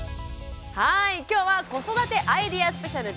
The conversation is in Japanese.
今日は「子育てアイデアスペシャル！」